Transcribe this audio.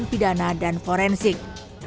pidana dan forensik